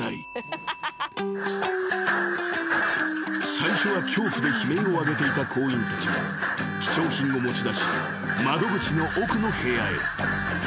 ［最初は恐怖で悲鳴を上げていた行員たちは貴重品を持ち出し窓口の奥の部屋へ］